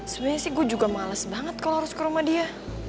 sebenarnya sih gue juga malas banget kalau harus ke rumah dia